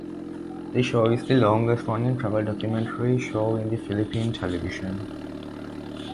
The show is the longest running travel documentary show in the Philippine television.